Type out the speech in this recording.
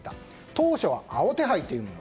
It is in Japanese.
当初は青手配というもの。